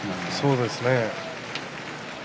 そうですね。